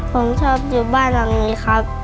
ผมชอบอยู่บ้านหลังนี้ครับ